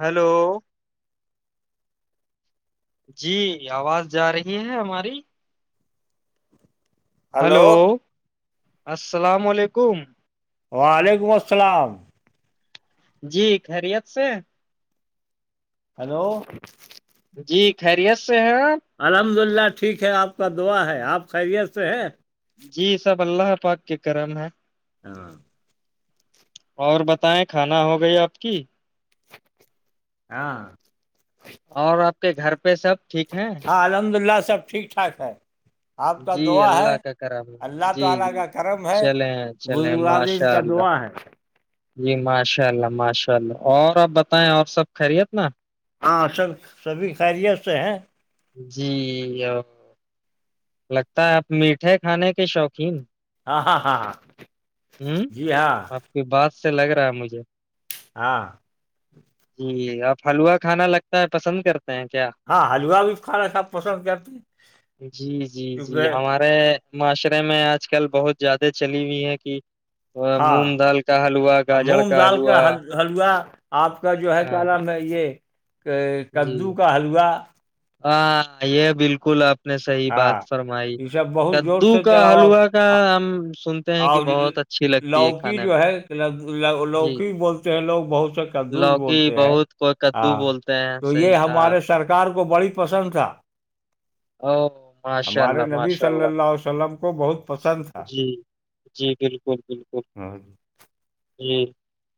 Hello جی آواز جا رہی ہے ہماری ہلو السلام علیکم وعلیکم السلام جی خیریت سے ہلو جی خیریت سے ہیں آپ الحمد للہ ٹھیک ہے آپ کا دعا ہے آپ خیریت سے ہیں جی سب اللہ پاک کے کرم ہے [inaudible] اور بتائیں کھانا ہو گئی آپ کی [inaudible] اور آپ کے گھر پہ سب ٹھیک ہیں ہاں الحمد للہ سب ٹیک ٹھاک ہے آپ کا جی دعا اللہ ہے کا کرا اللہ جی تعالی جی کا کرم ہے چلیں چلیں بزرگادین ماشاء کا اللہ دعا ہے جی ماشاء اللہ ماشاء اللہ اور آپ بتائیں اور سب خیریت نا ہاں سب سبھی خیریت سے ہیں جی لگتا ہے آپ میٹھے کھانے کے شوقین ہاں ہاں ہاں ہاں ہوں جی ہاں آپ کی بات سے لگ رہا ہے مجھے ہاں [inaudible] جی آپ حلوا کھانا لگتا ہے پسند کرتے ہیں کیا ہاں حلوہ بھی کھانا سب پسند کرتے جی جی کیونکہ جی ہمارے معاشرے میں آج کل بہت زیادہ چلی ہوئی ہے کہ ہاں مونگ دال کا حلوا گاجر مونگ کا ڈال کر حلوا حلوا آپ کا جو ہے ہاں کیا نام ہے یہ جی کددو کا حلوا ہاں یہ بالکل آپ نے صحیح بات ہاں فرمائی یہ سب بہت زور کدو سے کا چلاؤ آپ۔ حلوا آ- [inaudible] اور بہت اچھی لگتی ہے لوکی کھانے میں جو ہے جی لوکی بولتے ہیں لوگ بہت سک کدو بھی لوکی بولتے ہیں بہت کوئی ہ کدو بولتے ہیں تو یہ صحیح کہا آپ ہمارے نے سرکار کو بڑی پسند تھا او ماشاء ہمارے اللہ نبی ماشاء صلی اللہ عیہ وسلم کو بہت پسند تھا جی جی بالکل بالکل [inaudible] جی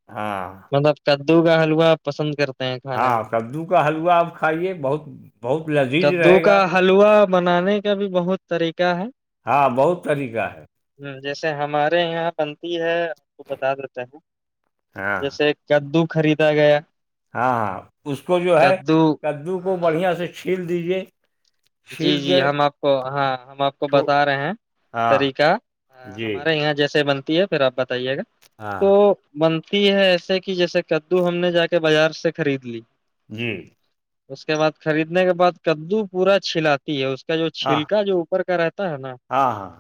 [inaudible] مطلب کدو کا حلوا پسند کرتا ہاں کدو کا حلوا آپ کھائیے بہت بہت لذیذ کدو رہے گا کا حلوا بنانے کا بھی بہت طریقہ ہے ہاں بہت طریقہ ہے ہ جیسے ہمارے یہاں بنتی ہے آپ کو بتا دیتے ہیں ہاں جیسے کدو خریدا گیا ہاں ہاں اس کو جو ہے کدو کدو کو ہاں بڑھیا سے چھیل دیجیے جی چھیل جی کے ہم آپ کو ہاں ہم آپ کو چھو- بتا رہے ہیں ہاں طریقہ جی ہمارے یہاں جیسے بنتی ہے پھر آپ بتائیے گا تو ہاں بنتی ہے ایسے کہ جیسے کدو ہم نے جا کے بازار سے خرید لی جی اس کے بعد خریدنے کے بعد کدو پورا چھلا ہے اس کا جو ہاں چھلکا جو اوپر کا رہتا ہے نا ہاں ہاں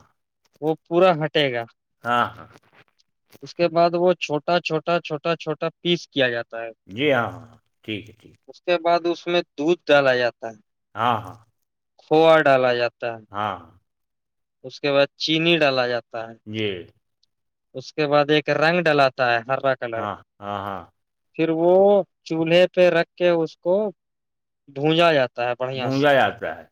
وہ پورا ہٹے گا [inaudible] اس کے بعد وہ چھوٹا چھوٹا چھوٹا چھوٹا پیس کیا جاتا ہے جی ہاں ہاں ہاں ٹھیک ہے ٹھیک ہے اس کے بعد اس میں دودھ ڈالا جاتا ہے [inaudible] کھووا ڈالا جاتا ہے [inaudible] اس کے بعد چینی ڈالا جاتا ہے یہی اس کے بعد ایک رنگ ڈلاتا ہے ہررا کلر ہاں کا ہاں ہاں پھر وہ چولہے پہ رکھ کے اس کو بھونجا جاتا ہے بڑھیا سے بھونجا جاتا ہے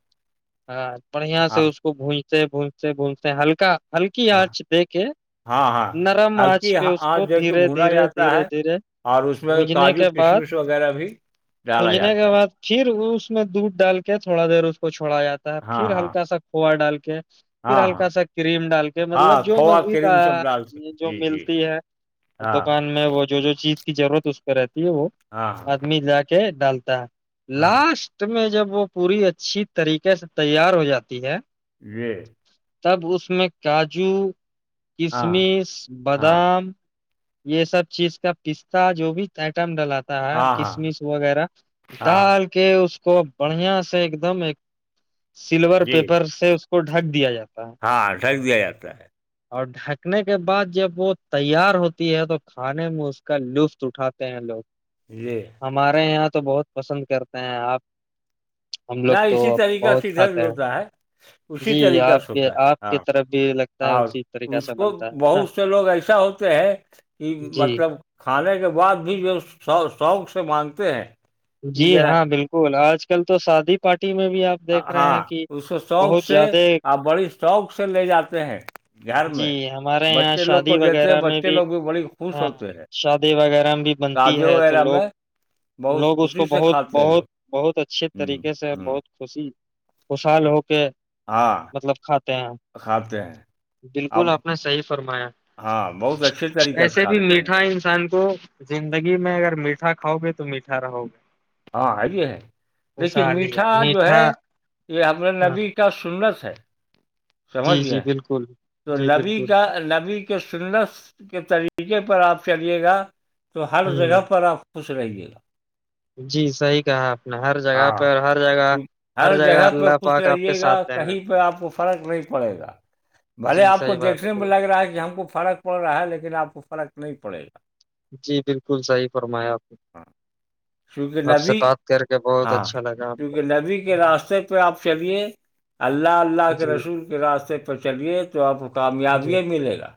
ہاں بڑھیا سے ہاں اس کو بھجتے بھونجتے بھجتے ہلکا ہلکی ہاں آرچ دے کے ہاں ہاں نرم آج ہلکی پہ اس کو آنچ دے کے دھیرے بھونا دھیرے جاتا دھیرے ہے دھیرے اور اس میں کاجو کشمش وغیرہ بھی ڈالا گونجنے کے جاتا ہے بعد پھر اس میں دودھ ڈال کے تھوڑا دیر اس کو چھوڑا جاتا ہے ہاں پھر ہاں ہلکا سا کھوا ڈال کے ہاں پھر ہاں ہلکا سا کریم ڈال کے ہاں مطلب جو کھووا مزید کریم سب ڈالتے ہیں جو جی جی ملتی ہے ہاں دکان وہ جو جو چیز کی ضرورت اس پہ رہتی ہے وہ ہاں ہاں آدمی لا کے ڈالتا ہے ہاں لاسٹ میں جب وہ پوری اچھی طریقے سے تیار ہو جاتی ہے و تب اس میں کاجو ہاں کشمش ہاں بادام یہ سب چیز کا پستتا جو بھی آئٹم ڈالاتا تا ہے ہاں ہاں کسمش وغیرہ ہاں ڈال کے اس کو بڑھیا سے ایک دم ایک سلور جی پیپر سے اس کو ڈھک دیا جاتا ہے ہاں ڈھک دیا جاتا ہے اور ڈھکنے کے بعد جب وہ تیار ہوتی ہے تو کھانے میں اس کا لطف اٹھاتے ہیں لوگ یہ ہمارے یہاں تو بہت پسند کرتے ہیں آپ ہم نہ لوگ تو اسی طریقہ بہت سےدھر بھی کھاتے ہیں ہوتا ہے اسی جی طریقہ آپ سے کے ہوتا ہے آپ کی ہاں طرف بھی لگتا ہے اور اسی طریقہ اس سے کو بنتا ہے نا بہت سے لوگ ایسا ہوتا ہے کہ جی مطلب کھانے کے بعد بھی جوو شوق سے مانتے ہیں کہ جی ذرا ہاں بالکل آج کل تو شادی پارٹی میں بھی آپ دیکھ رہے ہاں ہیں کہ اس کو شوق بہت سے زیادہ آپ بڑی شوق سے لے جاتے ہیں بہار جی میں ہمارے یہاں بچے لوگ کو شادی دیتے ہیں وغیرہ میں بچے لوگ بھی بڑی خوش ہاں ہوتے ہیں شادی وغیرہ بھی بنتی تازے ہے تو وغیرہ لوگ میں بہت لوگ اس خوشی کو سے بہت کھاتے ہیں بہت لوگ بہت اچھے ہوں طریقے سے اور ہوں بہت ک خوشحال ہو کے ہاں مطلب کھاتے ہیں کھاتے ہیں اب بالکل آپ نے صحی فرمایا ہاں بہت اچھے طریقے سے ایسے بھی کھاتے ہیں میٹھا انسان کو زندگی میں اگر میٹھا کھاؤ گے تو میٹھا رہو گے ہاں یہ ہے دیکھیے خوشحالی ہے میٹھا جو ہے یہ ہمنے ہاں نبی کا سنت ہے سمجھ جی جی گئے بالکل تو جی نبی بالکل کا نبی سنس کے طریقے پر آپ چلیے گا تو ہر ہوں جگہ پر آپ پسا ہی گلا جی صحیح کہا آپ ہر جگہ پہ ہاں ہر جگہ ہر جگہ پہ اللہ خوش پاک آپ کے رہیے ساتھ دیں گا کہیں پہ آپ کو فرق نہیں پڑے گا بھلے جی آپ کو صحیح بات ہے دیکھنے میں بالکل لگ رہا ہے کہ ہم کو فرق پڑ رہا ہے لیکن آپ کو فرق نہیں پڑے گا جی بالکل صحیح فرمایا آپ نے ہاں کیونکہ آپ سے نبی بات کر کے بہ ہاں کیونکہ نبی کے راستے پہ آپ چلیے اللہ اللہ کے جی رسول راستے پہ چلیے تو آپ کو جی کامیابی ملے گا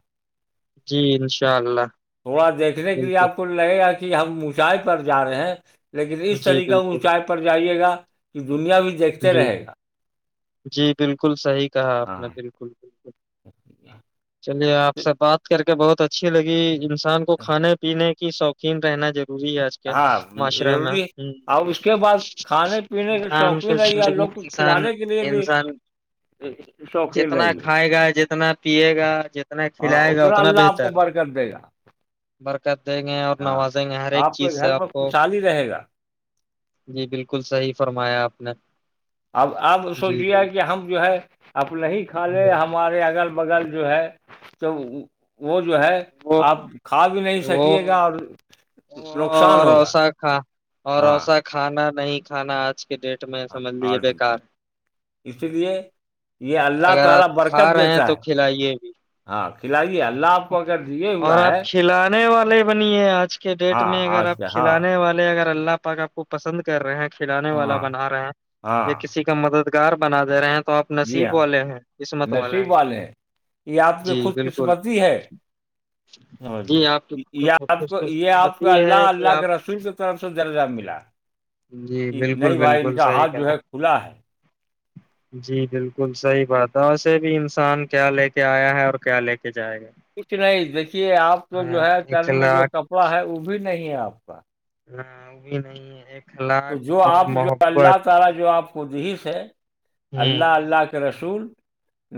جی انشاء اللہ تھوڑا دیکھنے کے لیے آپ بالکل کو لگے گا کہ ہم اونچائی پر جا رہے ہیں لیکن اس جی طریقہ بالکل اونچائے پر جائیے گا کہ دنیا بھی دیکھتے جی رہے گا جی بالکل صحیح کہا آپ نے بالکل بالکل ایا چلیے آپ سے بات کر کے بہت اچھی لگی انسان کو کھانے پینے کی شوقین رہنا ضروری ہے ہاں معاشرے میں ضروری ہے اور اس کے بعد کھانے پینے کے ہان س شوقین رہیے اور لوگ کو انسان کھلانے کے لیے بھی انسان شوقین جتنا رہیے کھائے گا جتنا پیے گا جتنا ہاں کھلائے گا اتنا اللہ آپ کو بہتر برکت دے گا برکت دیں گے اور ہاں نواز ہر ایک چیز کے سے گھر میں آپ کو خوشحالی رہے گا جی بالکل صحیح فرمایا آپ نے اب اب جی سوچے بالکل کہ ہم جو ہے اب نہیں کھا لے ہم ہمارے اگل بگل جو ہے تو وہ جو ہے وہ آپ کھا بھی نہیں سکیے گا اور نقصان ہوگا اوروسا کھا ہاں اوروسا کھانا نہیں کھانا آج کے ڈیٹ میں سمجھ لیجے بےیکار اسی لیے یہ ہے۔ اللہ اگر آپ تعالی کھا برکت رہے ہیں دیتا تو ہے کھلائیے بھی ہاں کھلائیے اللہ آپ پا کر دیجیے اور آپ کھلانے والے بنیے آج کے ڈیٹ ہاں میں ہاں اگر آپ سے ہاں کھلانے والے اگر اللہ پاک کو پسند کر رہے ہیں کھلانے والا ہاں بنا رہے ہیں ہاں یا کسی کا مددگار بنا دے رہے ہیں تو آپ جی نصیب ہاں والے ہیں قسمت والے نسی وال ہیں یہ آپ کی جی خوش بالکل قسمتی ہے اں جی آپ کی یہ خوش آپ خوش کو یہ آپ کو قسمتی اللہ ہے کہ اللہ آپ کے رسول کی طرف سے درجہ ملا جی کہ نہیں بھائی ان کا ہاتھ جو ہے کھلا ہے ڈڈ جی بالکل صحیح بات ہے وسے بھی انسان کیا لے کے آیا ہے اور کیا لے کے جائے گا کچھ نہیں دیکھیے آپ تو جو ہاں، ہے تن میں جو اخلاق کپڑا ہے وہ بھی نہیں ہے آپ کا نہ وہ بھی نہیں ہے ایک تو جو اپ جو اللہ تعالی جو اپ کو جس ہے ہوں اللہ اللہ کے رسول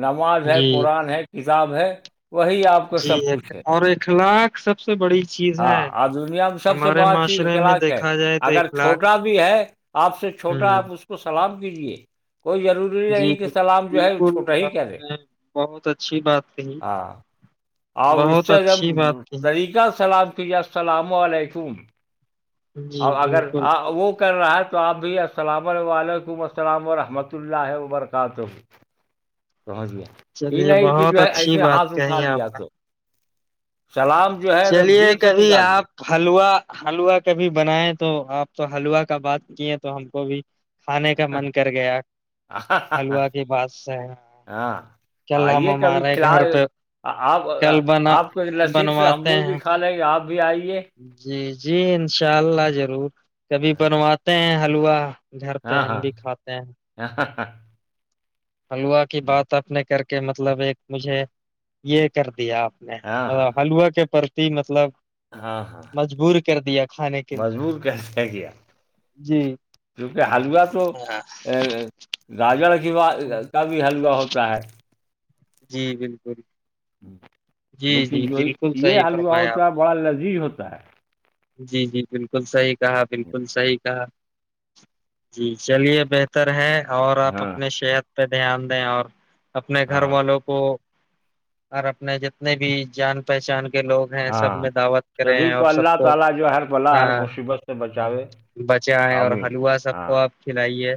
نماز ہے جی قرآن ہے کیا کتاب ہے وہی آپ کو جی سب ایک- پوچھے اور اخلاق سب سے بڑی چیز ہے ہاں آج دنیا میں سب سے ہمارے بڑا چیز معاشرے میں کلاج ہے دیکھا جائے تو اگر اخلاق چھوٹا بھی ہے آپ سے چھوٹا ہوں آپ اس کو سلام کیجیے کوئی ضروری جی نہیں کہ بال- سلام جو ہے وہ بالکل چھوٹا ہی آپ کر لے نے بہت اچھی بات کہی آپ اس بہت سے ا اچھی بات کہی طریقہ سلام کیجیے السلام علیکم اور جی اگر بالکل وہ کر رہا ہے تو آپ بھی السلام علیکم السلام ورحمۃ اللہ وبرکاتہ پہنچ گیا یہ چلیے نہیں کہ جو بہت ہے اچھی ایسے بات ہاتھ اٹھا کہی آپ لیا نے۔ تو سلام جو ہےب چلیے جیل سے کبھی نکالے آپ حلوا حلوا کبھی بنائے تو آپ تو حلوا کا بات کیے تو ہم کو بھی کھانے کا من کر گیا حلوا کی بات سے ہاں کل ہم آئیے کبھی ہمارے فی گھر الحال پہ آپ کل بنا آپ کو لصیب سے ہم ہم بنواتے لوگ بھی ہیں کھا لیں گے آپ بھی آئیے جی جی انشاء اللہ ضرور کبھی بنواتے ہیں حلوا گھر پہ ہم بھی کھاتے ہیں ہ حلوہ کی بات آپ نے کر کے مطلب ایک مجھے یہ کر دیا آپ ہاں ہاں مطلب حلووا کے پرتی مطلب ہاں ہاں مجبور کر دیا کھانے کے مجبور کیسے ہیں کیا لیے۔ جی کیونکہ حلوا تو ہاں ا گاجر کی ب کا بھی حلوا ہوتا ہے جی بالکل جی لیکن جی جو بالکل یہ صحیح حلوہ فرمایا ہوتا آپ ہے بڑا لذیذ ہوتا ہے جی جی بالکل صحیح کہا بالکل صحیح کہا جی چلیے بہتر بتر ہے اور آپ ہاں اپنی صحت پہ دھیان دیں اور اپنے گھر ہاں والوں کو اور اپنے جتنے بھی جان پہچان کے لوگ سب ہاں میں دعوت کرے سبھی ہیں اور سب اللہ کو تعالیٰ جو ہر بلا ہر ہاں مصیبت سے بچاوے بچے ہے اور آمین حلوا سب کو ہاں آپ کھلائیے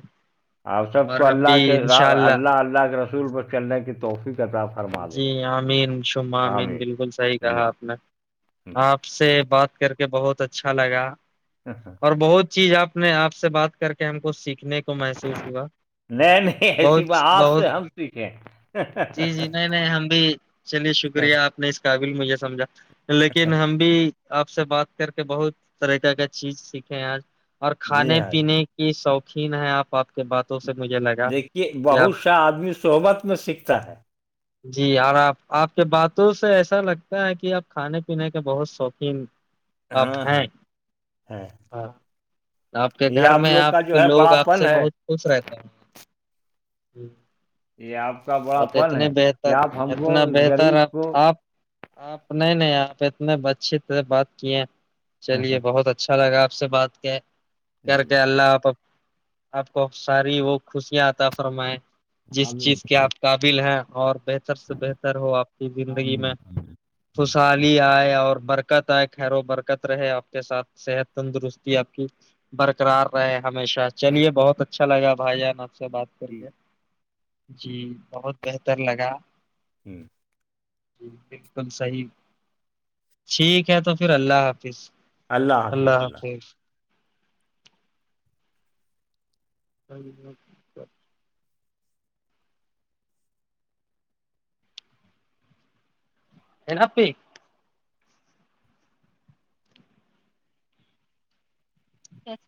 آپ سب اور کو ہم اللہ بھی کے انشاء اللہ اللہ کے رسول پر چلنے کی توحفی کا راف جی امین شمہ امین بالکل صحیح ثم کہا آپ نے آمین۔ آپ سے بات کر کے بہت اچھا لگا ا ہاں اور بہت چیز آپ نے آپ سے بات کر کے ہم کو سیکھنے محسوس ہوا نہیں نہیں ایسی بہت بات آپ بہت سے ہم سیکھیں جی جی نہیں نہیں ہم بھی چلیے شکریہ آپ نے اس قابل مجھے سمجھا لیکن ہم بھی بھی آپ سے بات کر کے بہت طریق کا چیز سیکھے ہیں آج اور جی کھانے ہاں جی پینے کی شوقین ہے آپ آپ کے باتوں سے مجھے لگا دیکھیے کہ آپ بہت آدمی صحبت میں سیکھتا ہے جی اور آپ آپ کے باتوں سے ایسا لگتا ہے کہ آپ کھانے پینے کے بہت شوقین [unintelligible] ہاں ہاں ہیں ہ آپ کے گھر میں آپ کے لوگ بڑا آپ پن سے ہے بہت خوش رہتے ہیں یہ آپ کا بڑا اور تو پن اتنے ہے کہ بہتر آپ ہم کو اتنا اس بہتر غریب آ کو آپ آپ نہیں نہیں آپ اتنے اچھیے طح بات کیے چلیے بہت اچھا اچھا لگا آپ سے بات کیا کر کے اللہ آپ کو ساری وہ خوشیاں آتا فرمائے جس آمین چیز کے آپ قابل ہیں اور بہتر بر سے بہتر ہو آپ کی زندگی میں آمین آمین خوشحالی آئے اور بر برکت آئے خیر و برکت رہے آپ کے ساتھ صحت تندرستی آپ کی برقرار رہے ہمیشہ چلیے بہت اچھا لگا بھائی جانا سے بات کر کے جی بہت بہتر لگا ہوں جی بالکل صحیح ٹھیک ہے تو پھر اللہ حافظ اللہ حافظ اللہ ہ جیوک ہے ن پی س